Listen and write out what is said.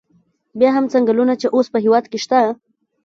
بیا هم څنګلونه چې اوس په هېواد کې شته.